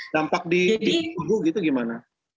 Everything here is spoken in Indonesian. dampak di tubuh itu bagaimana